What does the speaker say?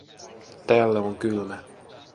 Täällä on kylmä